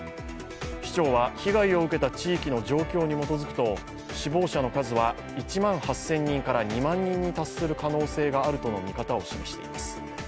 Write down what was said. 市長は被害を受けた地域の状況に基づくと死亡者の数は１万８０００人から２万人に達する可能性があると見方を示しています。